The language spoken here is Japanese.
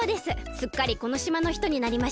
すっかりこのしまのひとになりました。